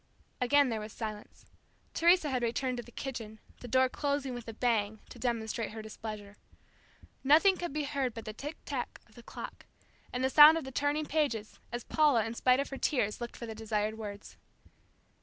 Again there was silence. Teresa had returned to the kitchen, the door closing with a bang to demonstrate her displeasure. Nothing could be heard but the tick tack of the clock, and the sound of the turning pages, as Paula, in spite of her tears, looked for the desired words.